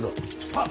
はっ！